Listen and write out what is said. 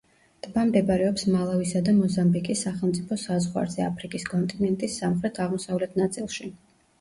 ტბა მდებარეობს მალავისა და მოზამბიკის სახელმწიფო საზღვარზე, აფრიკის კონტინენტის სამხრეთ-აღმოსავლეთ ნაწილში.